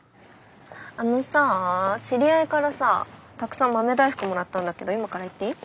あのさあ知り合いからさたくさん豆大福もらったんだけど今から行っていい？